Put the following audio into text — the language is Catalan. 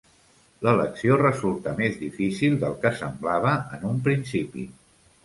L'elecció resulta més difícil del que semblava en un principi.